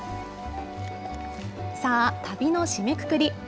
さあ、旅の締めくくり。